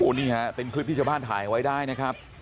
โอ้นี่ฮะเป็นคลิปที่เช้าบ้านถ่ายไว้ได้นะครับ